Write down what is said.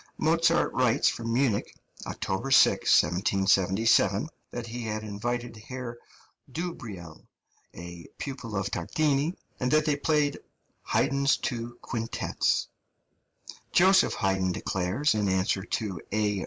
Mozart writes from Munich (October 6, 1777) that he had invited Herr Dubreil, a pupil of Tartini, and that they played "Haydn's two quintets." Joseph Haydn declares, in answer to A.